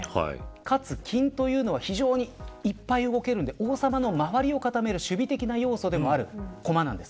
かつ金というのは非常にいっぱい動けるので王様の周りを固める守備的な要素でもある駒なんです。